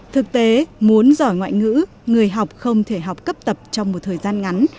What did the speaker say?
thực tế muốn giỏi ngoại ngữ người học không thể học cấp tập trong một thời gian ngắn